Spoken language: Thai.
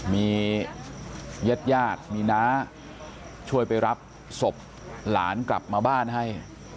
มีญาติญาติมีน้าช่วยไปรับศพหลานกลับมาบ้านให้